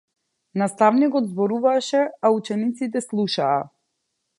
Наставникот зборуваше а учениците слушаа.